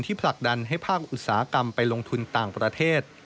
ผลักดันให้ภาคอุตสาหกรรมไปลงทุนต่างประเทศ